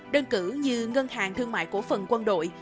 đơn cử như ngân hàng thương mại cổ phần quân đội